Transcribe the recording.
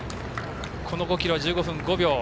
この５ｋｍは１５分５秒。